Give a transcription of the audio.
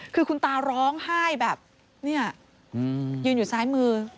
คือคุณตาร้องไห้แบบเนี่ยยืนอยู่ซ้ายมือ